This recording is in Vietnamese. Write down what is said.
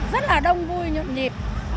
rất là đông vui nhuận nhịp